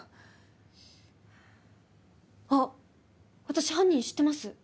あっ私犯人知ってます。